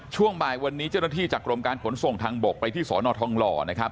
ช่วงบ่ายวันนี้เจ้าหน้าที่จากกรมการขนส่งทางบกไปที่สอนอทองหล่อนะครับ